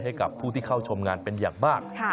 ให้กับผู้ที่เข้าชมงานเป็นอย่างมาก